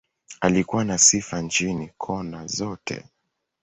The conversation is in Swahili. Alikuwa na sifa nchini, kona zote.